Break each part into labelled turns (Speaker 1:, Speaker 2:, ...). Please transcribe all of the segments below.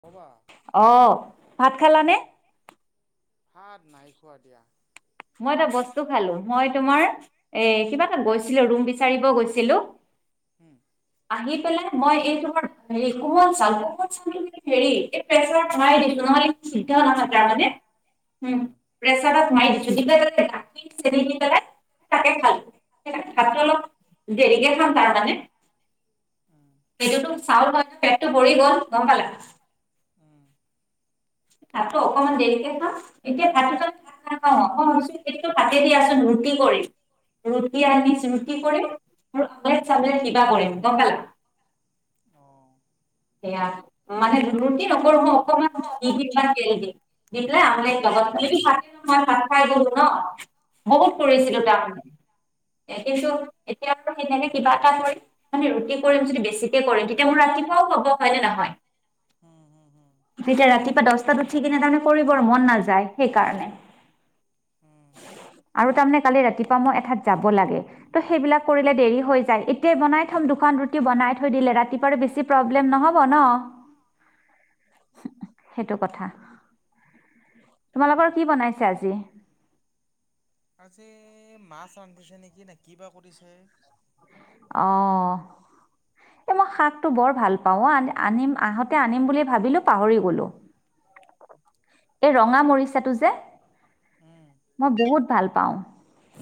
Speaker 1: ক'পা?
Speaker 2: অ ভাত খালানে?
Speaker 1: ভাত নাই খোৱা দিয়া।
Speaker 2: মই এটা বস্তু খালো, মই তোমাৰ এ কিবা এটা গৈছিলো, ৰুম বিচাৰিব গৈছিলো।
Speaker 1: হুম।
Speaker 2: আহি পেলাই মই এই তোমাৰ হেৰি কোমল চাউল কোমল [unintelligible] হেৰি এই প্ৰেছাৰত ভৰাই দিছো, নহলে চিন্তাও নাথাকে তাৰ মানে, উম। প্ৰেছাৰত মাৰি দিছো, দি পেলাই তাতে গাখীৰ, চেনি দি পেলাই তাকে খালো। হে তাক ভাত
Speaker 1: উম
Speaker 2: অলপ দেৰিকে খাম মানে।
Speaker 1: উম।
Speaker 2: সেইটোতো চাউল ভাততো পেটটো ভৰি গ'ল গম পালা।
Speaker 1: উম।
Speaker 2: ভাতো অকনমান দেৰিকে খাম, এতিয়া ভাতগিটা খা [unintelligible]
Speaker 1: উম
Speaker 2: [unintelligible]
Speaker 1: অ।
Speaker 2: [unintelligible] [unintelligible] ভবোত কৰিছিলো
Speaker 1: হয়
Speaker 2: তাৰমানে কিছু এতিয়া আৰু সেই তেনেকে কিবা এটা কৰি মানে ৰুটি কৰিম যদি বেছিকে কৰিম তেতিয়া মোৰ ৰাতিপুৱাও হ'ব হয় নে নহয়?
Speaker 1: হুম, হুম, হুম।
Speaker 2: তেতিয়া ৰাতিপুৱা দছটাত উঠি কিনে তাৰমানে কৰিবৰ মন নাযায় সেইকাৰণে।
Speaker 1: উম।
Speaker 2: আৰু তাৰমানে কালি ৰাতিপুৱা মই এঠাইত যাব লাগে। ত সেইবিলাক কৰিলে দেৰি হৈ যায়, এতিয়াই বনাই থম দুখন ৰুটি বনাই থৈ দিলে ৰাতিপুৱাৰ বেছি প্ৰ ব্লেম
Speaker 1: উম
Speaker 2: নহ'ব ন সেইটো কথা। তোমালোকৰ কি বনাইছে আজি?
Speaker 1: আজি মাছ ৰান্ধিছে নেকি নে কিবা কৰিছে।
Speaker 2: অ। এই মই শাকটো বৰ ভাল পাওঁ অ আ আনিম আহোতে আনিম বুলি ভাবিলো পাহৰি গ'লো। এই ৰঙা মৰিচাটো যে,
Speaker 1: উম
Speaker 2: মই বহুত ভাল পাওঁ।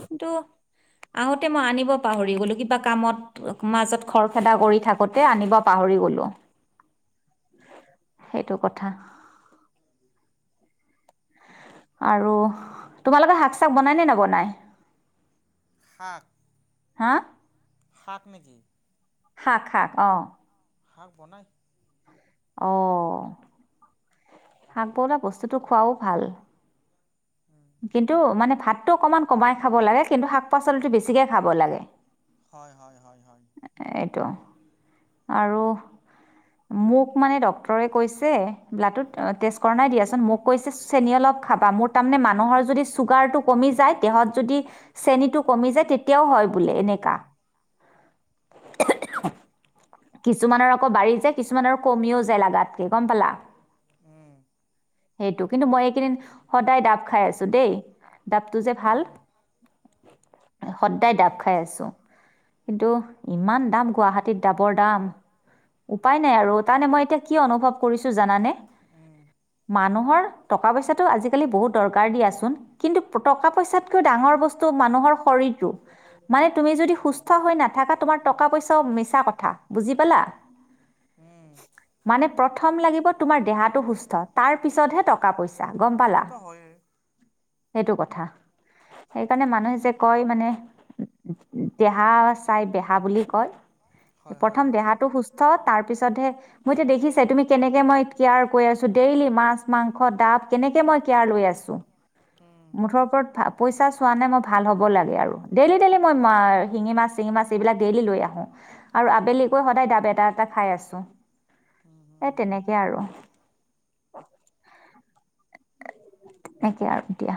Speaker 2: কিন্তু আহোতে মই আনিব পাহৰি গ'লো কিবা কামত মাজত খৰ খেদা কৰি থাকোতে আনিব পাহৰি গ'লো।
Speaker 1: [inaudible]
Speaker 2: সেইটো কথা। আৰু তোমালোকে শাক চাক বনায় নে নবনায়?
Speaker 1: শাক?
Speaker 2: হা?
Speaker 1: শাক নেকি?
Speaker 2: শাক শাক অ
Speaker 1: শাক বনায়।
Speaker 2: অঁ শাক বলা বস্তুটো খোৱাও ভাল
Speaker 1: উম
Speaker 2: কিন্তু মানে ভাতটো অকমান কমাই খাব লাগে কিন্তু শাক পাচলিটো বেছিকৈ খাব লাগে।
Speaker 1: হয় হয় হয় হয়।
Speaker 2: এইটো আৰু মোক মানে ডক্টৰে কৈছে ব্লাটোত টেষ্ট কৰা নাই দিয়াচোন মোক কৈছে চেনি অলপ খাবা মোৰ তাৰমানে মানুহৰ যদি চুগাৰটো কমি যায় দেহত যদি চেনীটো কমি যায় তেতিয়াও হয় বোলে এনেকা
Speaker 1: উম
Speaker 2: কিছুমানৰ আকৌ বাঢ়ি যায় কিছুমানৰ আৰু কমিও যায় লাগাতকৈ গম পালা
Speaker 1: উম।
Speaker 2: সেইটো কিন্তু মই এইকেইদিন সদায় ডাব খাই আছো দেই ডাবটো যে ভাল।
Speaker 1: উম
Speaker 2: সদায় ডাব খাই আছোঁ। কিন্তু ইমান দাম গুৱাহাটীত ডাবৰ দাম। উপায় নাই আৰু তাৰমানে মই এতিয়া কি অনুভৱ কৰিছোঁ জানানে।
Speaker 1: উম
Speaker 2: মানুহৰ টকা পইচাটো আজিকালি বহুত দৰকাৰ দিয়াচোন। কিন্তু টকা পইচাতকৈও ডাঙৰ বস্তু মানুহৰ শৰীৰটো। মানে তুমি যদি সুস্থ হৈ নাথাকা তোমাৰ টকা পইচাও মিছা কথা। বুজি পালা
Speaker 1: উম
Speaker 2: মানে প্ৰথম লাগিব তোমাৰ দেহাটো সুস্থ। তাৰ পিছতহে টকা পইচা গম পালা,
Speaker 1: সেইটোতো হয়েই
Speaker 2: সেইটো কথা। সেইকাৰণে মানুহে যে কয় মানে দেহা চাই বেহা বুলি কয়।
Speaker 1: হয় হয়
Speaker 2: প্ৰথম
Speaker 1: হয়
Speaker 2: দেহাটো সুস্থ তাৰ পিছতহে মই এতিয়া দেখিছে তুমি কেনেকে মই কেয়াৰ কৰি আছোঁ। দেইলি মাছ মাংস ডাব কেনেকে মই কেয়াৰ লৈ আছোঁ।
Speaker 1: উম
Speaker 2: মুঠৰ ওপৰত পইচা চোৱা নে মই ভাল হ'ব লাগে আৰু ডেইলি ডেইলি মই শিঙি মাছ চিঙি মাছ এইবিলাক ডেইলি লৈ আহোঁ। আৰু আবেলিকৈ সদায় ডাব এটা এটা খাই আছোঁ
Speaker 1: হুম হুম
Speaker 2: এই
Speaker 1: হুম
Speaker 2: তেনেকে আৰু। [unintelligible] সেনেকে আৰু এতিয়া।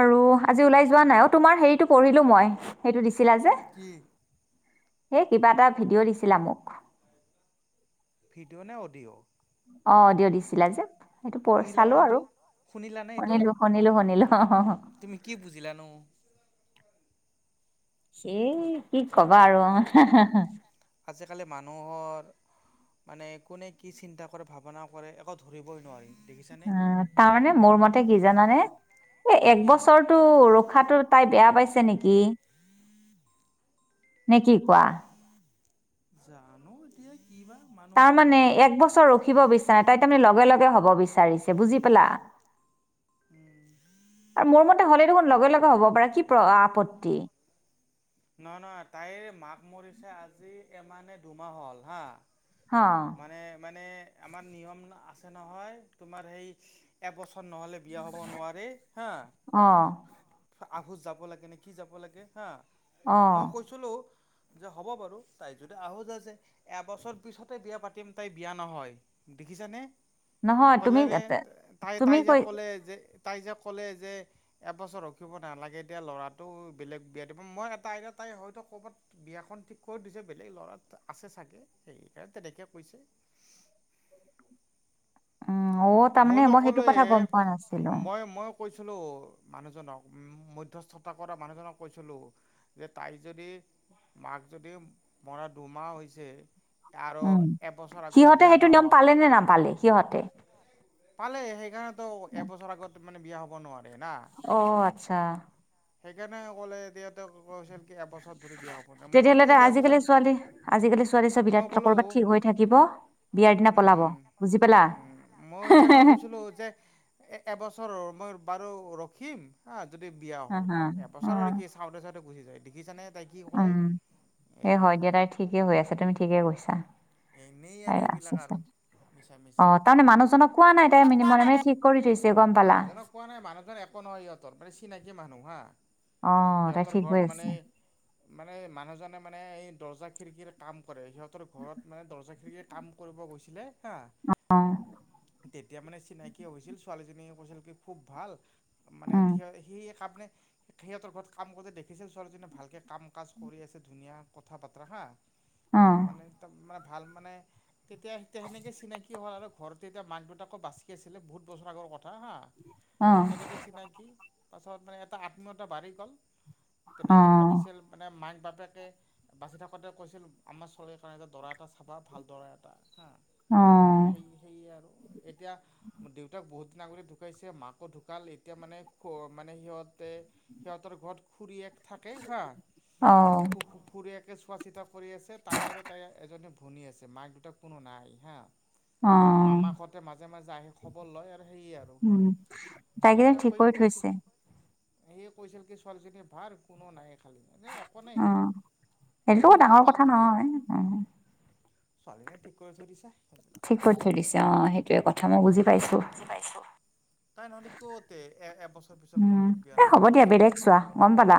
Speaker 2: আৰু আজি ওলাই যোৱা নাই অ তোমাৰ হেৰিটো পঢ়িলোঁ মই সেইটো দিছিলা যে।
Speaker 1: কি?
Speaker 2: সেই কিবা এটা ভিডিঅ' দিছিলা মোক
Speaker 1: ভিডিঅ' নে অডিঅ'?
Speaker 2: অঁ অদিঅ' দিছিলা যে সেইটো প
Speaker 1: শুনিলা না
Speaker 2: চালো আৰু।
Speaker 1: সেইটো শুনিলানে সেইটো
Speaker 2: শুনিলো শুনিলো শুনিলো অ অ।
Speaker 1: তুমি কি বুজিলানো?
Speaker 2: সেই কি কবা আৰু হ হ হ
Speaker 1: আজিকালি মানুহৰ মানে কোনে কি চিন্তা কৰে ভাৱনা কৰে একো ধৰিবই নোৱাৰি। দেখিছানে?
Speaker 2: উ তাৰমানে মোৰ মতে কি জানানে এই এক
Speaker 1: কি?
Speaker 2: বছৰটো ৰখাতটো তাই বেয়া পাইছে নেকি? নে কি কোৱা?
Speaker 1: জানো এতিয়া। ইৱা মান
Speaker 2: তাৰমানানে এক বছৰ ৰখিব বিচাৰে নাই তাই তাৰমানে লগে লগে হব বিচাৰিছে বুজি পালা।
Speaker 1: [inaudible]
Speaker 2: আৰু মোৰ মতে হ'লে দেখোন লগে লগে হ'ব পাৰে, কি প্ৰ-আপত্তি।
Speaker 1: নহয় নহয়, তাইৰ মাক মৰিছে আজি এমাহ নে দুমাহ হ'ল হা
Speaker 2: হা।
Speaker 1: মানে মানে আমাৰ নিয়ম আছে নহয় তোমাৰ সেই এবছৰ নহ'লে বিয়া হ'ব নোৱাৰে হা
Speaker 2: অ
Speaker 1: আহুচ যাব লাগে নে কি যাব লাগে হা,
Speaker 2: অ
Speaker 1: মই কৈ ছিলোঁ যে হ'ব বাৰু, তাইৰ যদি আহুচ আছে এবছৰ পিছত তাই বিয়া পাতিম, তাই বিয়া নহয় দেখিছানে।
Speaker 2: নহয়
Speaker 1: ক'লে
Speaker 2: তুমি
Speaker 1: নে, তাই
Speaker 2: তুমি
Speaker 1: তাই যে
Speaker 2: কৈ
Speaker 1: ক'লে যে, তাই যে ক'লে যে এবছৰ ৰখিব নালাগে দিয়া ল'ৰাটো বেলেগ বিয়া দিব, মই এটা আইডিয়া তাই হয়তো ক'ৰবাত বিয়াখন ঠিক কৰি দিছে, বেলেগ ল'ৰা আছে চাগে সেইকাৰণে তেনেকে কৈছে।
Speaker 2: উম [unintelligible]
Speaker 1: মইতো
Speaker 2: সেইটো
Speaker 1: ক'লোৱে
Speaker 2: কথা গম পোৱা নাছিলো
Speaker 1: মই, মই কৈছিলোঁ মানুহজনক, মধ্যস্থতা কৰা মানুহজনক কৈছিলোঁ তাই যদি, মাক যদি মৰা দুমাহ হৈছে আৰু
Speaker 2: উম,
Speaker 1: এবছৰ আগত
Speaker 2: সিহঁতে
Speaker 1: বিয়া
Speaker 2: সেইটো নিয়ম
Speaker 1: নহয়
Speaker 2: পালে নে নাপালে সিহঁতে?
Speaker 1: পালে সেইকাৰণেতো এবছৰ আগত মানে বিয়া হ'ব নোৱাৰে না।
Speaker 2: অ' আচ্ছা।
Speaker 1: সেইকাৰণে ক'লে এতিয়াঁ ত কৈছিল কি এবছত যদি বিয়া হ'ব না, মই ক
Speaker 2: তেতিয়াহ'লে ত
Speaker 1: ঠিক আছে এবছৰ,
Speaker 2: আজিকালি ছোৱালী আজিকালি ছোৱালী চব বিৰাট
Speaker 1: মই ক'লো
Speaker 2: কৰ'বাত ঠিক হৈ থাকিব বিয়াৰ দিনা পলাব
Speaker 1: উম,
Speaker 2: বুজি পালা
Speaker 1: উম, মই সেইকাৰণে কৈছিলোঁ যে এ-এবছৰৰ মই বাৰু ৰখিম হা যদি বিয়া
Speaker 2: অ
Speaker 1: হয়,
Speaker 2: হা অ
Speaker 1: এবছৰ আৰু কি আ চাওঁতে চাওঁতে গুচি যায়, দেখিছানে তাই কি ক'লে।
Speaker 2: এ,
Speaker 1: এই
Speaker 2: হয় দিয়া তাই ঠিকে কৈ আছে, তুমি ঠিকে কৈছা।
Speaker 1: এনেই
Speaker 2: তাই
Speaker 1: আৰু
Speaker 2: আছে
Speaker 1: এইবিলাক আৰু।
Speaker 2: চাগে।
Speaker 1: মিছামিচি
Speaker 2: অ' তাৰমানে মানুহজনক কোৱা নাই, তাই ম মনে মানে ঠিক কৰি থৈছে গম পালা?
Speaker 1: পোৱা নাই মানুহজন একো নহয় সিহঁতৰ, মানে চিনাকি মানুহ হা,
Speaker 2: অ তাই
Speaker 1: সিহঁতৰ
Speaker 2: ঠিক হৈ
Speaker 1: ঘৰত মানে
Speaker 2: আছে
Speaker 1: মানে মানুহজনে মানে এই দৰ্জা খিৰকিৰ কাম কৰে, সিহঁতৰ ঘৰত মানে দৰ্জা খি হেৰিয়ে কাম কৰিব গৈছিলে হা,
Speaker 2: অ
Speaker 1: তেতিয়া মানে চিনাকি হৈছিল ছোৱালীজনিয়ে কৈছিল কি খুব ভাল, মা
Speaker 2: উম
Speaker 1: সি কাবনে, সিহঁতৰ ঘৰত কাম কৰোঁতে দেখিছিল ছোৱালীজনীয়ে ভালকে কাম কাজ কৰি আছে, ধুনীয়া কথা বতৰা হা,
Speaker 2: অ
Speaker 1: মানে দম মানে ভাল মানে তেতিয়া তেনেকে চিনাকি হ'ল আৰু ঘৰত তেতিয়া মাক, দেউতাকো বাচি আছিলে, বহুত বছৰ আগৰ কথা হা,
Speaker 2: অ
Speaker 1: তেনেকে চিনাকি পাছত মানে এটা আত্মীয়তা বাঢ়ি গ'ল,
Speaker 2: অ
Speaker 1: তেনেকে ভাবিছিল মানে মাক বাপেকে বাচি থাকোঁতে কৈছিল আমাৰ ছোৱালীৰ কাৰণে এটা দৰা এটা চাবা, ভাল দৰা এটা। হা,
Speaker 2: অ
Speaker 1: সেই সেই আৰু, এতিয়া দেউতাক বহুত দিন আগতে ঢুকাইছে মাক কো ঢুকাল এতিয়া মানে খ মানে সিহঁতে, সিহঁতৰ ঘৰত খুৰীয়েক থাকে হা,
Speaker 2: অ
Speaker 1: খুখু খুৰীয়েকে চোৱা চিতা কৰি আছে, তাই আৰু তাই এজনী ভনী আছে, মাক দেউতাক কোনো নাই হা
Speaker 2: অ
Speaker 1: আৰু মামাহঁতে মাজে মাজে আহি খবৰ লয় আৰু সেয়ে আৰু হা,
Speaker 2: উম
Speaker 1: সেইকাৰণে
Speaker 2: তাইকেইজনী ঠিক
Speaker 1: কৰি
Speaker 2: থৈছে
Speaker 1: সেয়ে কৈছিল কি ছোৱালীজনী বাৰ কোনো না খালি মানে একো নাই
Speaker 2: অ
Speaker 1: সেইটো।
Speaker 2: সেইটোতো
Speaker 1: এই
Speaker 2: ডাঙৰ কথা
Speaker 1: ছোৱালী ঠিক কৰি
Speaker 2: নহয় অ
Speaker 1: ছোৱালীহে ঠিক কৰি থৈ দিছে।
Speaker 2: ঠিক কৰি থৈ দিছে অ', সেইটোয়ে কথা মই বুজি পাইছোঁ।
Speaker 1: বুজি পাইছোঁ, তাই নহ'লে ক'ত এ-এ
Speaker 2: উম, এ হ'ব দিয়া বেলেগ চোৱা, গ'ম পালা,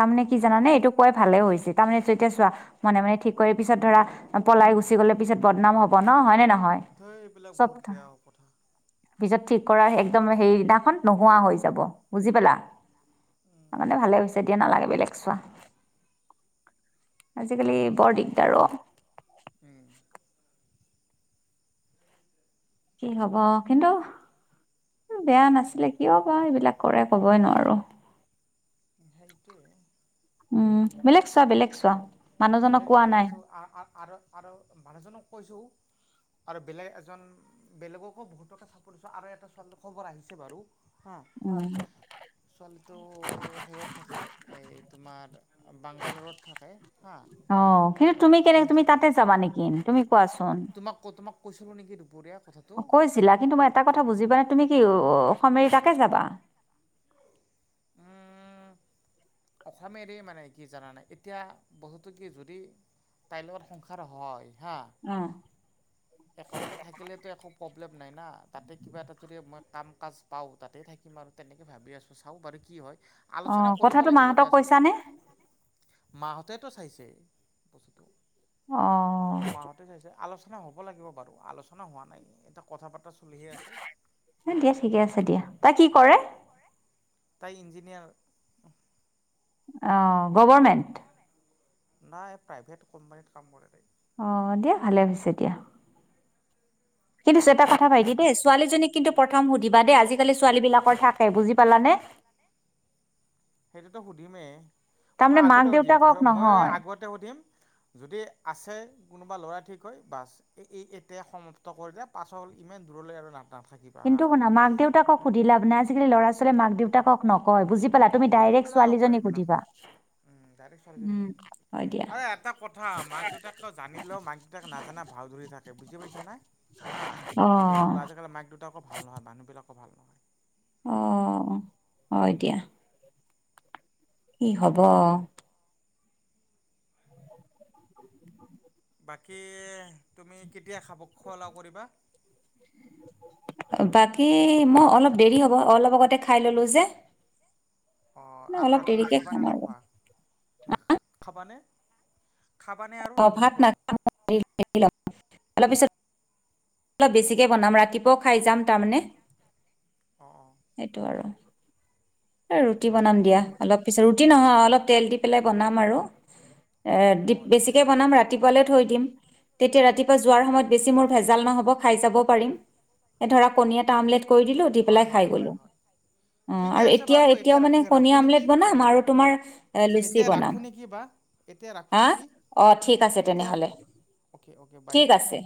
Speaker 2: তাৰমানে কি জানানে এইটো
Speaker 1: ধেই
Speaker 2: কৈ ভালে হৈছে, তাৰমানে এইটো এতিয়া চোৱা মনে মনে ঠিক কৰি পিছত ধৰা পলাই গুচি গ'লে পিছত বদনাম হ'ব ন, হয়নে নহয়?
Speaker 1: ধৈ, এইবিলাক
Speaker 2: চব
Speaker 1: বহুত বেয়া কথা।
Speaker 2: পিছত ঠিক কৰাৰ একদম সেইদিনাখন নোহোৱা হৈ যাব, বুজি পালা। তাৰমানে ভালে হৈছে। এতিয়া নালাগে বেলেগ চোৱা, আজিকালি বৰ দিগদাৰ অ।
Speaker 1: উম।
Speaker 2: কি হ'ব, কিন্তু বেয়া নাছিলে কিয় বা এইবিলাক কৰে ক'বই নোৱাৰো।
Speaker 1: সেইটোৱে।
Speaker 2: উম, বেলেগ চোৱা বেলেগ চোৱা। মানুহজনক
Speaker 1: বেলেগ
Speaker 2: কোৱা
Speaker 1: চাই
Speaker 2: নাই
Speaker 1: আছোঁ, আ-আ-আ-আৰু-আৰু মানুহজনক কৈছোঁ। আৰু বেলেগ এজন বেলেগকো বহুতকে চাব দিছোঁ আৰু এটা [unintelligible] খবৰ আহিছে বাৰু। হা
Speaker 2: উম।
Speaker 1: [inaudible] ছোৱালীটো হেৰিত থাকে, এই তোমাৰ বাংগালোৰত থাকে হা।
Speaker 2: অ, কিন্তু তুমি কেনে তুমি তাতে যাবা নেকি তুমি কোৱাচোন।
Speaker 1: তোমাত ক' তোমাক কৈছিলোঁ নেকি দুপৰীয়া? কথাটো
Speaker 2: অ, কৈছিলা কিন্তু মই এটা কথা বুজি
Speaker 1: অঁ
Speaker 2: পোৱা নাই তুমি কি অসম এৰি তাতে যাবা।
Speaker 1: আ অসম এৰি মানে কি জনানে, এতিয়া বস্তুটো কি যদি তাইৰ লগত সংসাৰ হয়, হা।
Speaker 2: অ'।
Speaker 1: একেলগে থাকিলেতো একো প্ৰব্লেম নাই না, তাতে কিবা এটা যদি মই কাম কাজ পাওঁ, তাতে থাকিম আৰু তেনেকৈ ভাবি আছোঁ চাওঁ বাৰু কি হয়। আলোচনা
Speaker 2: অ',
Speaker 1: কৰিব
Speaker 2: কথাটো
Speaker 1: লাগিব
Speaker 2: মাহঁতক
Speaker 1: দিয়াচোন,
Speaker 2: কৈছানে?
Speaker 1: মাহঁতক কৈছা নে? মাহঁতেতো চাইছে বস্তুটো,
Speaker 2: অ',
Speaker 1: মাহঁতে চাইছে, আলোচ আলচনা হ'ব লাগিব বাৰু, আলোচনা হোৱা নাই। এ কথা পতা চলিহে আছে।
Speaker 2: এ, দিয়া ঠিকে আছে দিয়া। তাই কি
Speaker 1: কৰে, তাই ইঞ্জিনিয়াৰ। [inaudible]
Speaker 2: অ, গভৰমেণ্ট।
Speaker 1: নাই প্ৰাইভেট কোম্পানীত কাম কৰে তাই।
Speaker 2: অ, দিয়া ভালে হৈছে দিয়া। কিন্ত [unintelligible] কথা ভাইটি দেই ছোৱালীজনীক কিন্তু প্ৰথম সুধিবা দেই আজিকালি ছোৱালী বিলাকৰ থাকে বুজি পালানে।
Speaker 1: সেইটোতো সুধিমেই, মই
Speaker 2: তাৰমানে মাক
Speaker 1: আগতে সুধিম,
Speaker 2: দেউতাকক
Speaker 1: মই
Speaker 2: নহয়।
Speaker 1: আগতে সুধিম যদি আছে কোনোবা ল'ৰা ঠিক হৈ, বাচ। এ-এই এতিয়া সমাপ্ত কৰি দে পাছৰ ইমান দূৰলৈ আৰু না-নাথাকিম।
Speaker 2: কিন্তু শুনা মাক দেউতাকক সুধি লাভ নাই আজিকালি ল'ৰা ছোৱালী মাক দেউ দেউতাকক নকয় বুজি পালা তুমি ডাইৰেক্ট ছোৱালীজনীক সুধিবা।
Speaker 1: উম, ডাইৰেক্ট চাৰিজনী
Speaker 2: উম
Speaker 1: উঠিম।
Speaker 2: হয় দিয়া
Speaker 1: আৰে এটা কথা, মাক দেউতাক জানিলেও মাক দেউতাক নাজানা ভাওঁ ধৰি থাকে, বুজি পাইছা নে? হা,
Speaker 2: অ
Speaker 1: তেনেকুৱা, আজিকালি মাক দেউটাকো, ভাল নহয় মানুহ বিলাকো ভাল নহয়।
Speaker 2: অ', হয় দিয়া। কি হ'ব?
Speaker 1: বাকী তুমি কেতিয়া খাব-খোৱা-লাও কৰিবা?
Speaker 2: বাকী মোৰ অলপ দেৰি হ'ব, অলপ আগতে খাই ল'লোঁ যে।
Speaker 1: অ', আৰু
Speaker 2: অলপ
Speaker 1: ৰাতি
Speaker 2: দেৰিকে
Speaker 1: খাবানে
Speaker 2: খাম আৰু
Speaker 1: নোখোৱা? নে-খাবানে? খাবানে আৰু নোখোৱা?
Speaker 2: অলপিছত, অলপ বেছিকে বনাম ৰাতিপুৱাওঁ খাই যাম তাৰমানে।
Speaker 1: অ'।
Speaker 2: সেইটো আৰু, এ ৰুটি
Speaker 1: অঁ
Speaker 2: বনাম দিয়া
Speaker 1: অকণ
Speaker 2: অলপ পিছত ৰুটি নহয় অলপ তেল দি পেলাই বনাম আৰু, এ দি
Speaker 1: অঁ আচ্ছা
Speaker 2: বেছিকে
Speaker 1: আচ্ছা আচ্ছা
Speaker 2: বনাম ৰা ৰাতিপুৱালে থৈ দিম, তেতিয়া ৰাতিপুৱা যোৱাৰ সময়ত বেছি মোৰ ভেজাল নহ'ব খাই জাব পাৰিম। এ ধৰা কণী এটা আমলেট কৰি দিলো, দি পেলাই খাই
Speaker 1: হয়-হয়-হয়।
Speaker 2: গ'লো অ
Speaker 1: ঠিকে
Speaker 2: আৰু
Speaker 1: আছে বাৰু
Speaker 2: এতিয়াও
Speaker 1: এতিয়া
Speaker 2: মানে
Speaker 1: ৰাখি
Speaker 2: কণী
Speaker 1: ৰাখোঁ
Speaker 2: আমলেট
Speaker 1: নেকি?
Speaker 2: বনাম আৰু তোমাৰ এ লুচি
Speaker 1: এতিয়া
Speaker 2: বনাম
Speaker 1: ৰাখো নেকি বা? এতিয়া ৰাখো
Speaker 2: হা
Speaker 1: নেকি?
Speaker 2: অ ঠিক আছে
Speaker 1: এতিয়া
Speaker 2: তেনেহ'লে
Speaker 1: অ'কে অ'কে বাই।
Speaker 2: ঠিক আছে